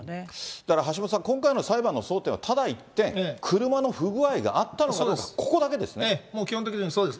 だから橋下さん、今回の裁判の争点はただ一点、車の不具合があったのかどうか、ええ、もう基本的にそうです。